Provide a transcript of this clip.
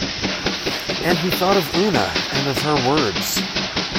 And he thought of Oona, and of her words.